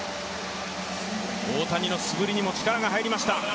大谷の素振りにも力が入りました。